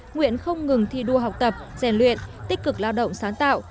nguyện không ngừng thi đua học tập rèn luyện tích cực lao động sáng tạo